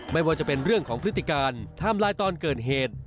ไม่ว่าจะเป็นเรื่องของพฤติการไทม์ไลน์ตอนเกิดเหตุ